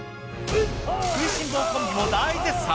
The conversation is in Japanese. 食いしん坊コンビも大絶賛。